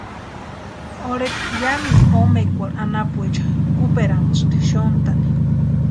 Orheta yamintu omekweri anapuecha kuperanhasïanti xotʼani.